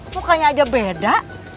mukanya aja beda